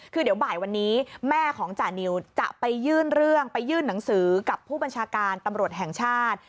คือเดี๋ยวบ่ายวันนี้แม่ของจานิวจะไปยื่นเรื่องไปยื่นหนังสือกับผู้บัญชาการตำรวจแห่งชาติ